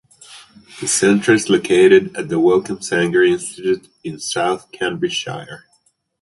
The centre is located at the Wellcome Sanger Institute in South Cambridgeshire.